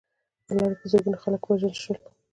په لاره کې زرګونه خلک ووژل شول.